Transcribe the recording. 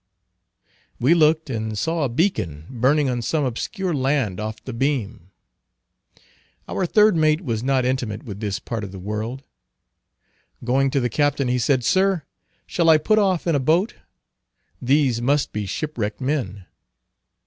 We looked and saw a beacon burning on some obscure land off the beam. Our third mate was not intimate with this part of the world. Going to the captain he said, "Sir, shall I put off in a boat? These must be shipwrecked men."